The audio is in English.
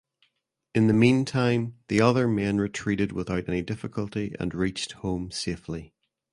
In the meantime the other men retreated without any difficulty and reached home safely.